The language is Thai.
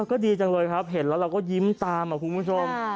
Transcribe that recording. ก็ดีจังเลยครับเห็นแล้วเราก็ยิ้มตามคุณผู้ชม